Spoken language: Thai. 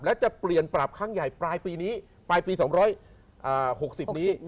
และจะเปลี่ยนปรับครั้งใหญ่ปลายปีนี้ปลายปี๒๖๐นี้